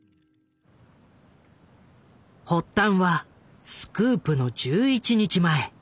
発端はスクープの１１日前。